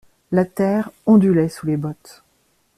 La terre ondulait sous les bottes.